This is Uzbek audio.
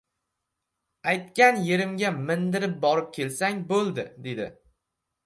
— Aytgan yerimga mindirib borib kelsang bo‘ldi, — dedi.